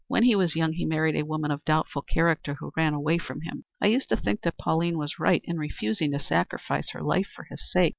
When he was young he married a woman of doubtful character, who ran away from him. I used to think that Pauline was right in refusing to sacrifice her life for his sake.